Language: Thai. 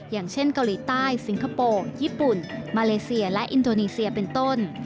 อย่างเช่นเกาหลีใต้สิงคโปร์ญี่ปุ่นมาเลเซียและอินโดนีเซียเป็นต้น